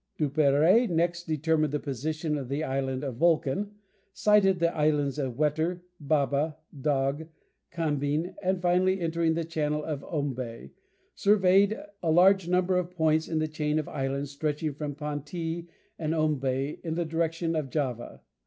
Duperrey next determined the position of the island of Vulcan; sighted the islands of Wetter, Baba, Dog, Cambing, and finally, entering the channel of Ombay, surveyed a large number of points in the chain of islands stretching from Pantee and Ombay in the direction of Java.